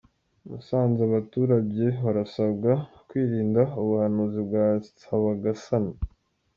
Musanze Abaturage barasabwa kwirinda ubuhanuzi bwa Nsabagasani